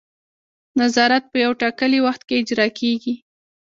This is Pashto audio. نظارت په یو ټاکلي وخت کې اجرا کیږي.